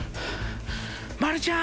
まるちゃん。